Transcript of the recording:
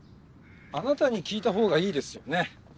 あなたに聞いたほうがいいですよね。